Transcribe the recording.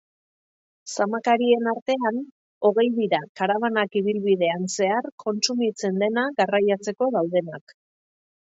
Zamaketarien artean, hogei dira karabanak ibilbidean zehar kontsumitzen dena garriatzeko daudenak.